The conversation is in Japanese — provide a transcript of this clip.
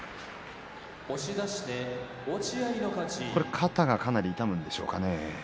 肩がかなり痛むんですかね。